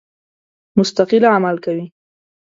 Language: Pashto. مستقل عمل کوي.